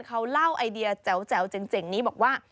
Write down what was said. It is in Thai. เขาเล่าไอเดียแจ๋วเจ๋งนี้บอกว่า